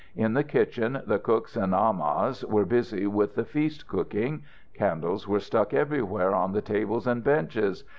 In the kitchen the cooks and amahs were busy with the feast cooking. Candles were stuck everywhere on the tables and benches.